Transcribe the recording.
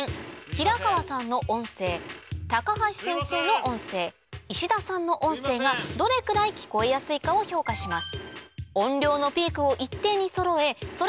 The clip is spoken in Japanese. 平川さんの音声高橋先生の音声石田さんの音声がどれくらい聞こえやすいかを評価します